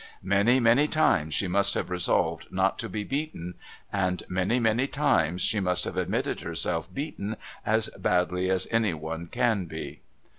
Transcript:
Many, many times she must have resolved not to be beaten, and many, many times she must have admitted herself beaten as badly as any one can be.